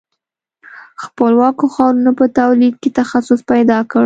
خپلواکو ښارونو په تولید کې تخصص پیدا کړ.